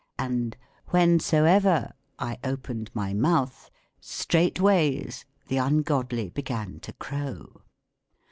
And ifhensoever I opened my mouth, straightimys the ungodly began to crow.